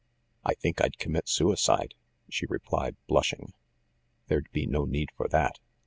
"I think I'd commit suicide," she replied, blushing. "There'd be no need for that.